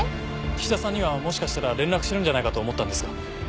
⁉菱田さんにはもしかしたら連絡してるんじゃないかと思ったんですが。